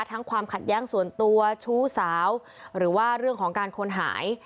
ความขัดแย้งส่วนตัวชู้สาวหรือว่าเรื่องของการคนหาย